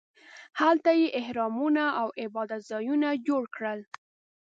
هلته یې اهرامونو او عبادت ځایونه جوړ کړل.